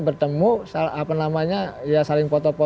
bertemu apa namanya ya saling foto foto